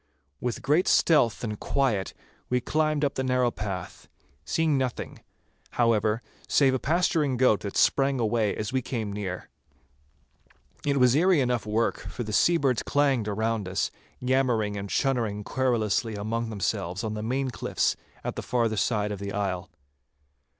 With great stealth and quiet we climbed up the narrow path, seeing nothing, however, save a pasturing goat that sprang away as we came near. It was eerie enough work, for the seabirds clanged around us, yammering and chunnering querulously among themselves on the main cliffs at the farther side of the isle.